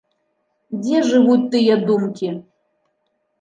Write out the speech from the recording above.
Дзе жывуць тыя думкі?